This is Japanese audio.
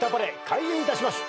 開演いたします。